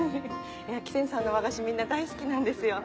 喜泉さんの和菓子みんな大好きなんですよ。